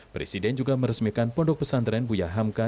presiden juga meresmikan pondok pesantren buya hamka